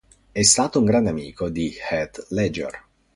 È stato un grande amico di Heath Ledger.